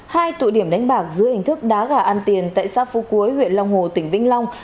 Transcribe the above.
hai tụ điểm đánh bạc dưới hình thức đá gà ăn tiền tại xã phú quế huyện long hồ tỉnh vĩnh long